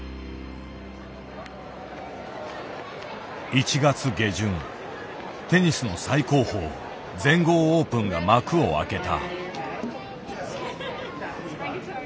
１月下旬テニスの最高峰全豪オープンが幕を開けた。